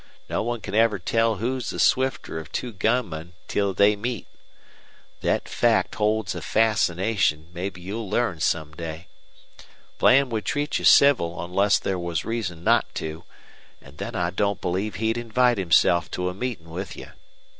No one can ever tell who's the swifter of two gunmen till they meet. Thet fact holds a fascination mebbe you'll learn some day. Bland would treat you civil onless there was reason not to, an' then I don't believe he'd invite himself to a meetin' with you.